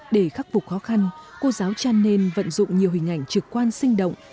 để khắc phục khó khăn cô giáo chanen vận dụng nhiều hình ảnh trực quan sinh động